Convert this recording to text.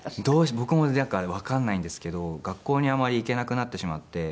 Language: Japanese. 僕もわからないんですけど学校にあまり行けなくなってしまって。